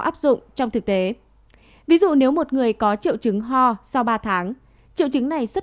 áp dụng trong thực tế ví dụ nếu một người có triệu chứng ho sau ba tháng triệu chứng này xuất